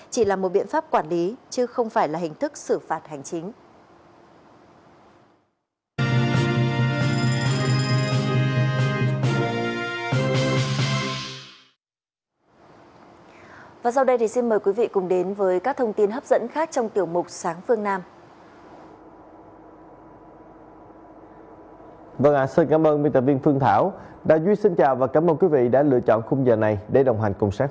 chỉ là một biện pháp quản lý chứ không phải là hình thức xử phạt hành chính